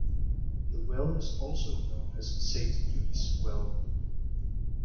The well is also known as Saint Uny's well.